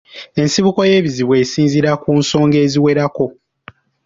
Ensibuko y’ekizibu esinziira ku nsonga eziwerako.